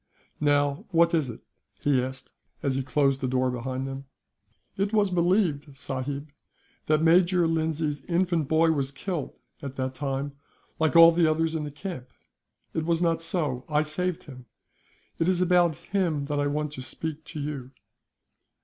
"Now, what is it?" he asked, as he closed the door behind them. "It was believed, sahib, that Major Lindsay's infant boy was killed, at that time, like all others in the camp. It was not so. I saved him. It is about him that I want to speak to you."